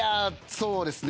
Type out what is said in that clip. そうですね。